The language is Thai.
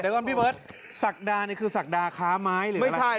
เดี๋ยวก่อนพี่เบิร์ตศักดานี่คือศักดาค้าไม้หรือไม่ใช่